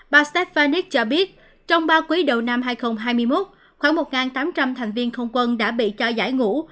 bà stét vaniq cho biết trong ba quý đầu năm hai nghìn hai mươi một khoảng một tám trăm linh thành viên không quân đã bị cho giải ngũ